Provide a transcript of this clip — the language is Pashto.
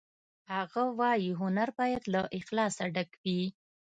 هغه وایی هنر باید له اخلاصه ډک وي